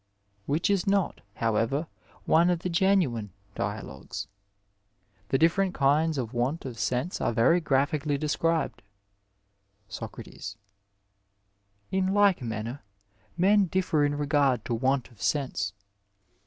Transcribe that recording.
which is not, how ever, one of the genuine Dialogues. The different kinds of want of sense are very graphically described : SooraUa. In like manner men differ in regard to want of sexise.